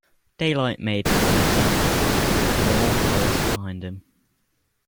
Daylight made no answer, and the door closed behind him.